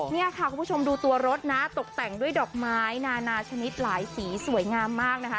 นี่ค่ะคุณผู้ชมดูตัวรถนะตกแต่งด้วยดอกไม้นานาชนิดหลายสีสวยงามมากนะคะ